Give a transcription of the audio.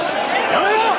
やめろ！